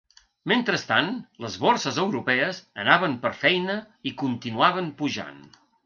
Mentrestant, les borses europees anaven per feina i continuaven pujant.